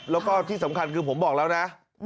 แล้วก็ที่สำคัญคือผมบอกแล้วนะ